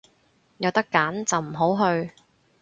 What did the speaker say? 有得揀就唔好去